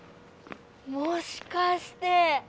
もしかして！